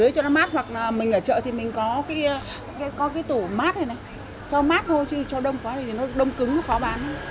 cho mát thôi chứ cho đông quá thì nó đông cứng khó bán